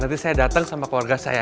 nanti saya datang sama keluarga saya